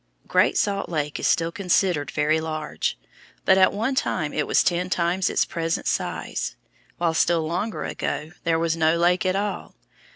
Great Salt Lake is still considered very large, but at one time it was ten times its present size, while still longer ago there was no lake at all.